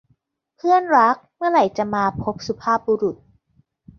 เพื่อนรัก เมื่อไหร่จะมาพบสุภาพบุรุษ